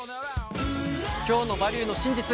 今日の「バリューの真実」